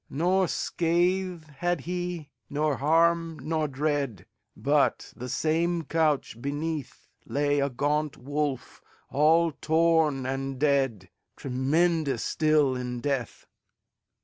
Nor scath had he, nor harm, nor dread, But, the same couch beneath, Lay a gaunt wolf, all torn and dead, Tremendous still in death.